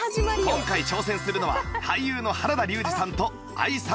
今回挑戦するのは俳優の原田龍二さんと愛さんご夫婦